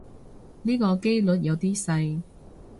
呢個機率有啲細